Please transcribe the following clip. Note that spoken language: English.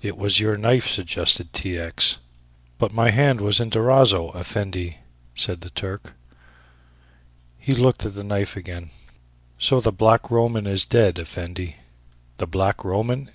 "It was your knife," suggested T. X. "But my hand was in Durazzo, Effendi," said the Turk. He looked at the knife again. "So the Black Roman is dead, Effendi." "The Black Roman?"